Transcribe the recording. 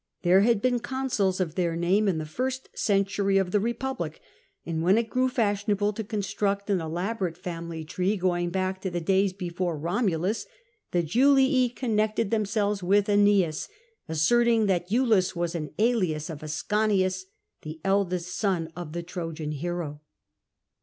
There had been consuls of their name in the first century of the Eepublic, and when it grew fashionable to construct an elaborate family tree going back to the days before Eomulus, the Julii connected themselves with jiEneas, asserting that lulus w'^as an alias of Ascanius, the eldest son of the Trojan hero.